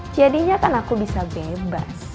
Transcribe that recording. jadinya kan aku bisa bebas